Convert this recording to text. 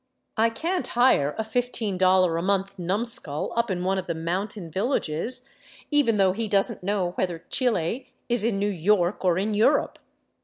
I can't fire a fifteen dollar a month numskull up in one of the mountain villages, even though he doesn't know whether Chile is in New York or in Europe.